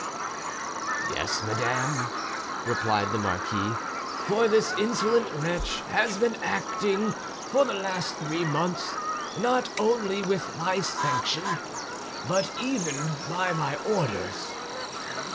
"Yes, madame," replied the marquis; "for this insolent wretch has been acting for the last three months not only with my sanction but even by my orders."